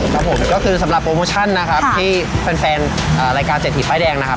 ครับผมก็คือสำหรับโปรโมชั่นนะครับที่แฟนแฟนรายการเศรษฐีป้ายแดงนะครับ